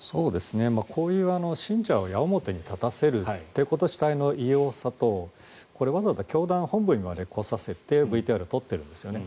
こういう信者を矢面に立たせるということ自体の異様さとこれ、わざわざ教団本部にまで来させてＶＴＲを撮っているんですね。